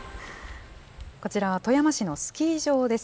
こちらは富山市のスキー場です。